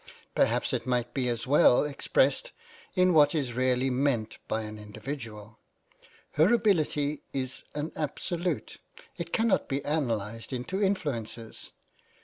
Perhaps it might be as well expressed in what is really meant by an individual. Her ability is an absolute ; it cannot be analysed into influences.